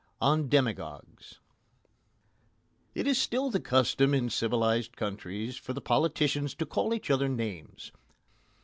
XII ON DEMAGOGUES It is still the custom in civilised countries for the politicians to call each other names.